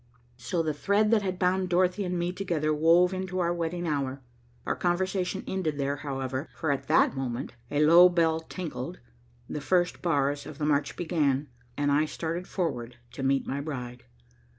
So the thread that had bound Dorothy and me together wove into our wedding hour. Our conversation ended there however, for at that moment a low bell tinkled, the first bars of the march began, and I started forward to meet my bride.